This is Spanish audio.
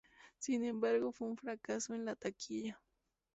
Sin embargo, fue un fracaso en la taquilla.